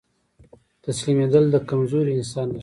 تسليمېدل د کمزوري انسان نښه ده.